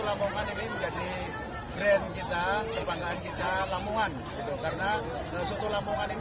lamongan ini menjadi brand kita kebanggaan kita lamongan itu karena soto lamongan ini